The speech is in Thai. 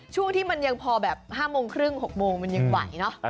ช่วงที่มันยังพอแบบ๕โมงครึ่ง๖โมงมันยังไหวเนอะ